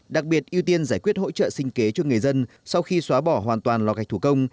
đặc biệt ưu tiên giải quyết hỗ trợ sinh kế cho người dân sau khi xóa bỏ hoàn toàn lò gạch thủ công